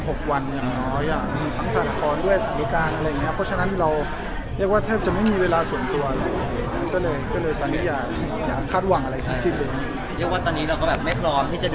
ยกว่าตอนนี้เราก็แบบไม่พร้อมที่จะดูแลใครบ้างกันเถอะ